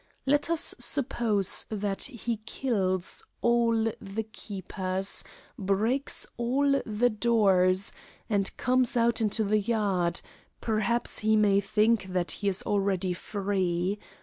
Let us suppose that he kills all the keepers, breaks all the doors, and comes out into the yard perhaps he may think that he is already free.